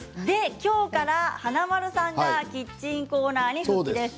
今日から華丸さんがキッチンコーナーに復帰です。